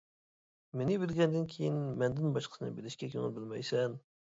مېنى بىلگەندىن كېيىن، مەندىن باشقىسىنى بىلىشكە كۆڭۈل بۆلمەيسەن.